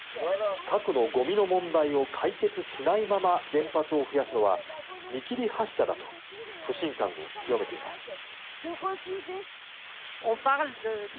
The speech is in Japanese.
核のごみの問題を解決しないまま原発を増やすのは見切り発車だと不信感を強めています。